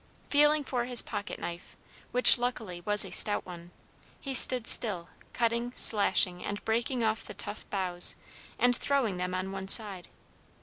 Feeling for his pocket knife, which luckily was a stout one, he stood still, cutting, slashing, and breaking off the tough boughs, and throwing them on one side.